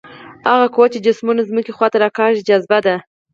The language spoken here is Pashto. هغه قوه چې جسمونه ځمکې خواته راکاږي جاذبه ده.